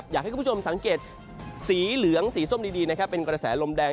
อยากให้คุณผู้ชมสังเกตสีเหลืองสีส้มดีนะครับเป็นกระแสลมแดง